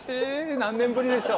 何年ぶりでしょう。